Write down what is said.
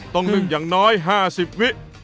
ต้องนึกอย่างน้อย๕๐วิ